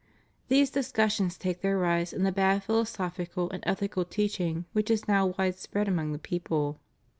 These discussions take their rise in the bad philosophical and ethical teaching which is now widespread among the people.